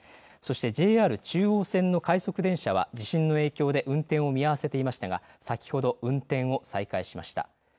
そしてＪＲ中央線の快速電車は地震の影響で運転を見合わせていましたが先ほど運転を再開しました。